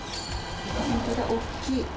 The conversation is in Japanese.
本当だ、大きい。